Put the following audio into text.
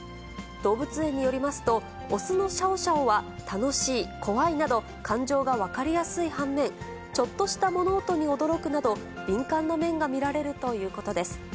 動物園によりますと、雄のシャオシャオは楽しい、怖いなど感情が分かりやすい半面、ちょっとした物音に驚くなど、敏感な面が見られるということです。